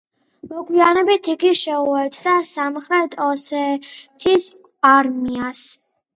მოგვიანებით იგი შეუერთდა სამხრეთ ოსეთის არმიას.